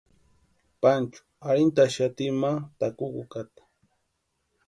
Panchu arhintaxati ma takukata.